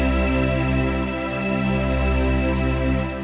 wah pengen apa nih ni